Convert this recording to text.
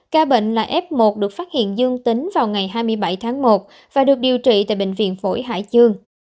ca bệnh là f một được phát hiện dương tính vào ngày hai mươi bảy tháng một và được điều trị tại bệnh viện phổi hải dương